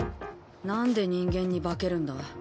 なんで人間に化けるんだ？